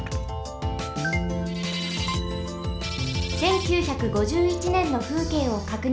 １９５１ねんのふうけいをかくにんします。